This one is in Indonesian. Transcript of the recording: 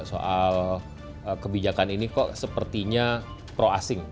soal kebijakan ini kok sepertinya pro asing